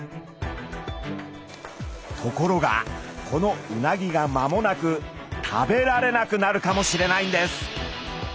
ところがこのうなぎが間もなく食べられなくなるかもしれないんです。